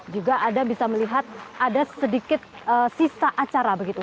juga anda bisa melihat ada sedikit sisa acara begitu